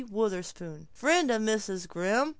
Wutherspoon Friend of Mrs. Grimm